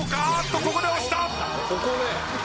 ・ここで。